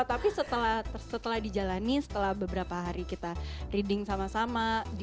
tapi setelah dijalani setelah beberapa hari kita reading sama sama